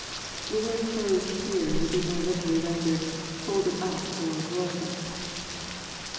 ] The word "closed" here, would be more literally rendered, "folded up," or "rolled up."